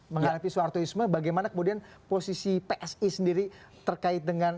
mengalami suartoisme bagaimana kemudian posisi psi sendiri terkait dengan